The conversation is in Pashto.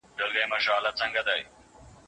اورېدل د اوږد مهاله زده کړې لپاره ډاډمن دي.